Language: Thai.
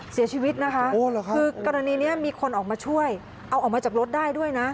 เสียชีวิตนะคะคือกรณีนี้มีคนออกมาช่วยเอาออกมาจากรถได้ด้วยนะ